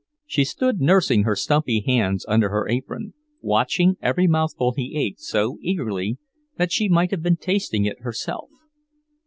She stood nursing her stumpy hands under her apron, watching every mouthful he ate so eagerly that she might have been tasting it herself.